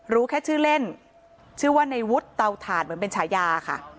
รู้แค่ชื่อเล่นชื่อว่าในวุฒิเตาถ่านเหมือนเป็นฉายาค่ะ